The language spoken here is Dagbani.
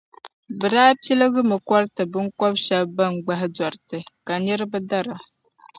bɛ daa piligimi kɔriti bɛ binkɔb’ shɛb’ ban gbahi dɔriti ka niriba dara.